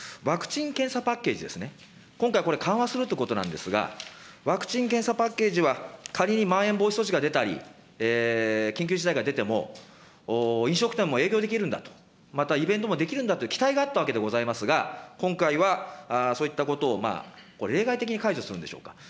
ワクチン・検査パッケージですね、今回これ、緩和するということなんですが、ワクチン・検査パッケージは、仮にまん延防止措置が出たり、緊急事態が出ても、飲食店も営業できるんだと、またイベントもできるんだという期待があったわけでございますが、今回はそういったことを例外的に解除するんでしょうか。